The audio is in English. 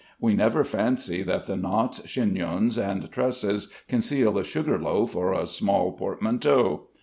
We never fancy that the knots, chignons, and tresses conceal a sugar loaf or a small portmanteau.